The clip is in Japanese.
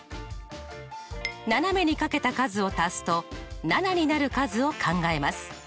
斜めに掛けた数を足すと７になる数を考えます。